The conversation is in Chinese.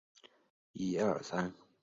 父亲浦璇。